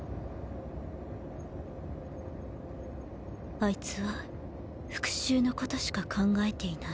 あいつは復讐のことしか考えていない。